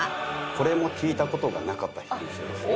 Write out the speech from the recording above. これも聞いた事がなかった品種ですね。